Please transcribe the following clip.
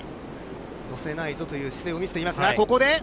乗せないぞという姿勢を見せていますが、ここで。